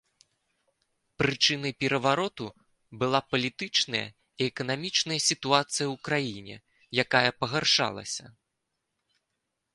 Прычынай перавароту была палітычная і эканамічная сітуацыя ў краіне, якая пагаршалася.